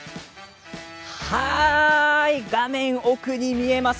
画面奥に見えます